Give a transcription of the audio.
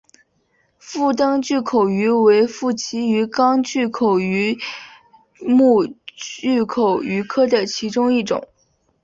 腹灯巨口鱼为辐鳍鱼纲巨口鱼目巨口鱼科的其中一种。